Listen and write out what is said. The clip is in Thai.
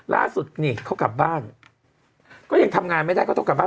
ล่าสุดนี่เขากลับบ้านก็ยังทำงานไม่ได้ก็ต้องกลับบ้าน